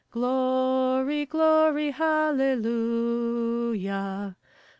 Glory, glory, hallelujah!